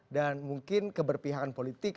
dan mungkin keberpihakan politik